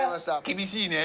厳しいね。